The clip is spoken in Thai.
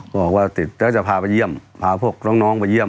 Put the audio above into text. บอกว่าติดแล้วจะพาไปเยี่ยมพาพวกน้องไปเยี่ยม